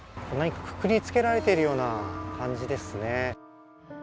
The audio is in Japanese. くくりつけられているような感じですね。